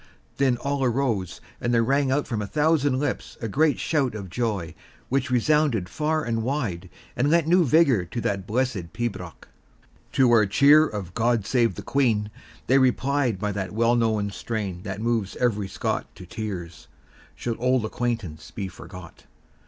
Then all arose, and there rang out from a thousand lips a great shout of joy, which resounded far and wide, and lent new vigour to that blessed pibroch. To our cheer of "God save the Queen," they replied by the well known strain that moves every Scot to tears, "Should auld acquaintance be forgot."